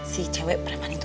si cewek preman itu